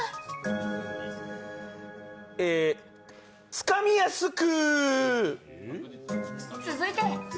つかみやすく。